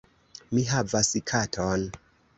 Mi havas katon.